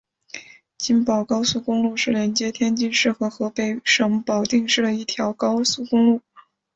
津保高速公路是连接天津市和河北省保定市的一条高速公路。